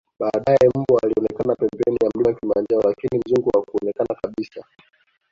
baadae mbwa alionekana pembeni ya mlima kilimanjaro lakini mzungu hakuonekana kabisa